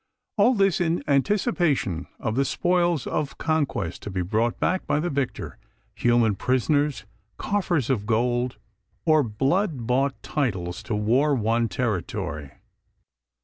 All this in anticipation of the spoils of conquest to be brought back by the victor human prisoners, coffers of gold, or blood bought titles to war won territory.